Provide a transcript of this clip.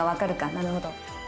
なるほど。